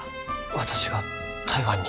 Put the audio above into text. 私が台湾に？